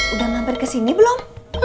udah ngamper kesini belum